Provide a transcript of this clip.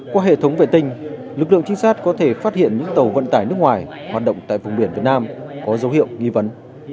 qua hệ thống vệ tinh lực lượng trinh sát có thể phát hiện những tàu vận tải nước ngoài hoạt động tại vùng biển việt nam có dấu hiệu nghi vấn